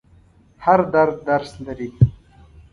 هر درد درس لري.